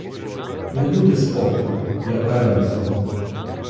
Не буде спокою, я певен цього.